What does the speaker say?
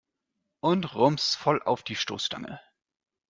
Und rums, voll auf die Stoßstange!